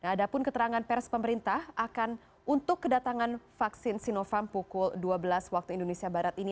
ada pun keterangan pers pemerintah akan untuk kedatangan vaksin sinovac pukul dua belas waktu indonesia barat ini